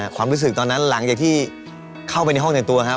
ความรู้สึกตอนนั้นหลังจากที่เข้าไปในห้องในตัวครับ